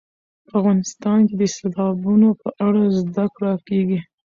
په افغانستان کې د سیلابونو په اړه زده کړه کېږي.